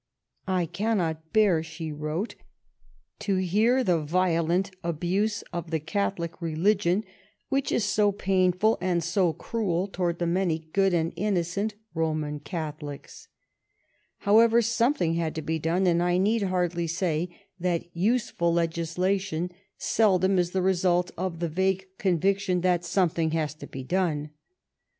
"I cannot bear," she wrote, "to hear the violent abuse of the Catholic religion, which is so painful and so cruel towards the many good and innocent Roman Catholics." THE ECCLESIASTICAL TITLES BILL 149 However, something had to be done, and I need hardly say that useful legislation seldom is the result of the vague conviction that something has to be done.